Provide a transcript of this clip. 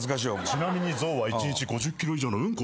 ちなみに象は１日５０ｋｇ以上のうんこをします。